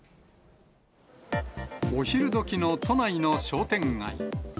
お昼どきの都内の商店街。